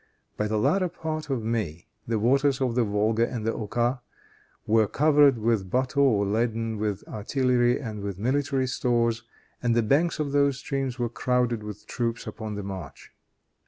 By the latter part of May the waters of the Volga and the Oka were covered with bateaux laden with artillery and with military stores, and the banks of those streams were crowded with troops upon the march.